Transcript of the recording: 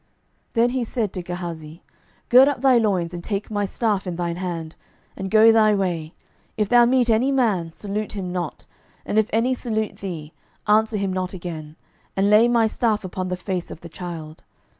12:004:029 Then he said to Gehazi, Gird up thy loins, and take my staff in thine hand, and go thy way: if thou meet any man, salute him not; and if any salute thee, answer him not again: and lay my staff upon the face of the child.